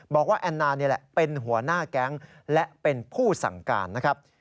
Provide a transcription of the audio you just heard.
แอนนานี่แหละเป็นหัวหน้าแก๊งและเป็นผู้สั่งการนะครับ